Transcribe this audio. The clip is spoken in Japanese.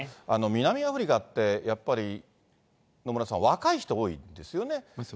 南アフリカって、やっぱり、野村さん、若い人が多いですよね。